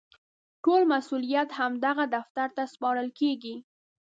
ټول مسوولیت همدغه دفتر ته سپارل کېږي.